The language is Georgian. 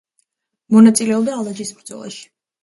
მონაწილეობდა ალაჯის ბრძოლაში.